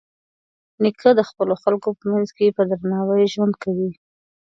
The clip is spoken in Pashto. نیکه د خپلو خلکو په منځ کې په درناوي ژوند کوي.